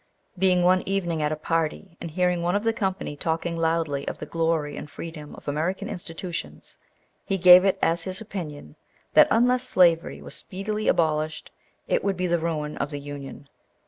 Being one evening at a party, and hearing one of the company talking loudly of the glory and freedom of American institutions, he gave it as his opinion that, unless slavery was speedily abolished, it would be the ruin of the Union.